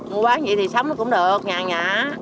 mua bán vậy thì sống nó cũng được nhà nhà